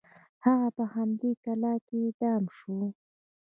هغه په همدې کلا کې اعدام شو.